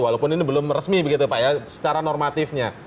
walaupun ini belum resmi begitu pak ya secara normatifnya